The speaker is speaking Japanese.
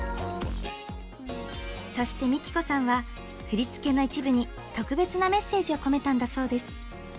そしてＭＩＫＩＫＯさんは振り付けの一部に特別なメッセージを込めたんだそうです。